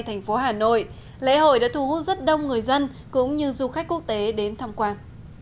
thành phố hà nội lễ hội đã thu hút rất đông người dân cũng như du khách quốc tế đến tham quan